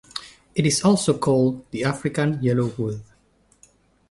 It is also called the African Yellow wood.